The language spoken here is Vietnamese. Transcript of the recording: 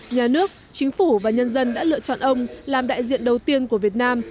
nhà nước chính phủ và nhân dân đã lựa chọn ông làm đại diện đầu tiên của việt nam